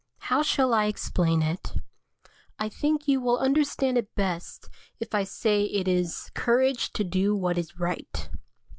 How shall I explain it? I think you will understand it best if I say it is "courage to do what is right."